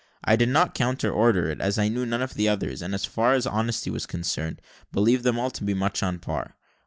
I did not counter order it, as I knew none of the others, and, as far as honesty was concerned, believed them all to be much on a par.